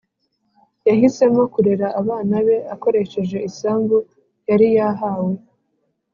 Yahisemo kurera abana be akoresheje isambu yari yahawe